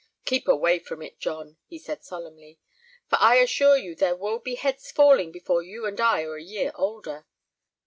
"Keep away from it, John," he said, solemnly; "for I assure you there will be heads falling before you and I are a year older.